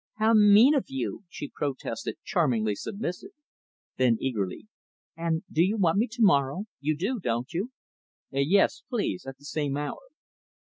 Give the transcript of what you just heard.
"How mean of you," she protested; charmingly submissive. Then, eagerly "And do you want me to morrow? You do, don't you?" "Yes, please at the same hour."